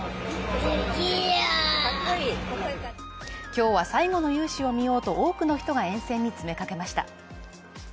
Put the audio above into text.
今日は最後の雄姿を見ようと多くの人が沿線に詰めかけました。